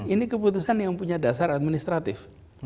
ini keputusan yang punya dasar administratif